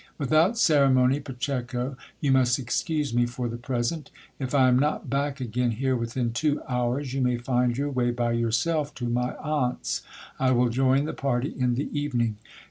Without ceremony, Pacheco, you must excuse me for the present ; if I am not back again here within two hours, you may find your way by yourself to my aunt's ; I will join the party in the evening.